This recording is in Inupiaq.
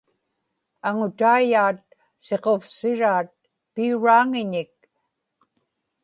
aŋutaiyaat siquvsiraat piuraaŋiñik